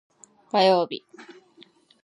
火曜日